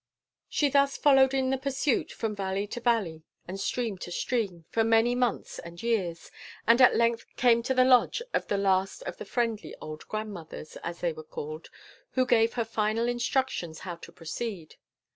She thus followed in the pursuit, from valley to valley, and stream to stream, for many months and years, and at length came to the lodge of the last of the friendly old grandmothers, as they were called, who gave her final instructions how to proceed.